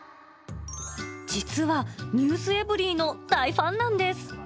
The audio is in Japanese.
実はｎｅｗｓｅｖｅｒｙ．の大ファンなんです。